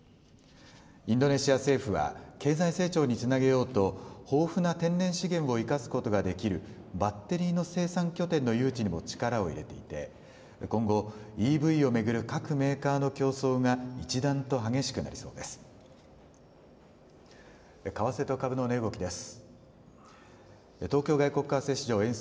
インドネシア政府は経済成長につなげようと豊富な天然資源を生かすことができるバッテリーの生産拠点の誘致にも力を入れていて今後、ＥＶを巡る各メーカーの競争が一段と激しくなりそうです。